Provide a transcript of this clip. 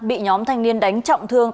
bị nhóm thanh niên đánh trọng thương